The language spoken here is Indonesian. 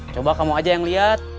coba kamu aja yang lihat